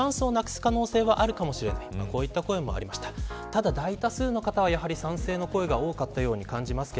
ただ大多数の方は賛成の方が多かったように感じます。